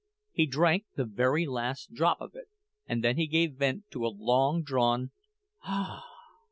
He drank the very last drop of it, and then he gave vent to a long drawn "Ah!"